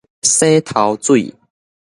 洗頭水